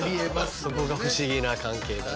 そこが不思議な関係だね。